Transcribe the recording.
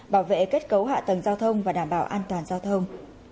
bảo vệ kết cấu hạ tầng giao thông và đảm bảo an toàn giao thông